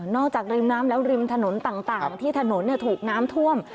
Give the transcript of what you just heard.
จากริมน้ำแล้วริมถนนต่างที่ถนนถูกน้ำท่วม